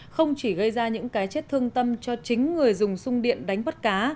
không chỉ gây ra những cái chết thương tâm cho chính người dùng sung điện đánh bắt cá